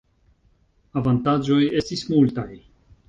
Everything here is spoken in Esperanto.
Avantaĝoj estis multaj.